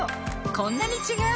こんなに違う！